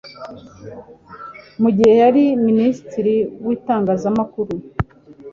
mu gihe yari Minisitiri w'itangazamakuru.